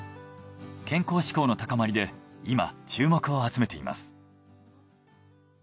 健康志向の高まりで今注目を集めています。